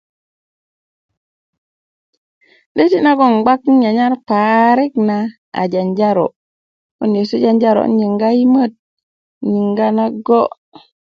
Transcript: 'döti nagon 'n nyanyar parik na a janjaro ko nan nyesu janjaro 'n yiŋga yimöt 'n yiŋga nago'